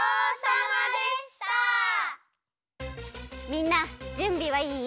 みんなじゅんびはいい？